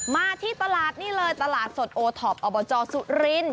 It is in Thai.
มาที่ตลาดนี่เลยตลาดสดโอท็อปอบจสุริน